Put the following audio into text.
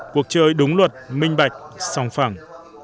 cuộc chơi đúng luật minh bạch song phẳng